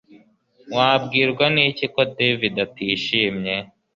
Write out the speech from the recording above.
Wabwirwa niki ko David atishimye